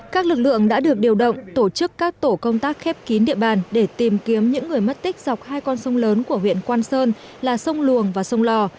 các lực lượng đã được điều động tổ chức các tổ công tác khép kín địa bàn để tìm kiếm những người mất tích dọc hai con sông lớn của huyện quang sơn là sông luồng và sông lò